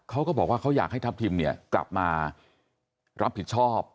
เขาก็บอกว่าเขาอยากให้ทัพทิมเนี่ยกลับมารับผิดชอบ